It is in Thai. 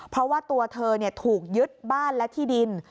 เพราะว่าตัวเธอถูกยึดบ้านและที่ดิน